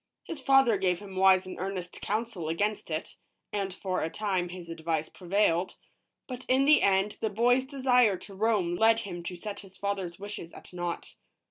H is father gave him wise and earnest counsel against 135 ROBINSON CRUS OB. it, and for a time his advice prevailed ; but in the end the boy's desire to roam led him to set his father's wishes ai naught.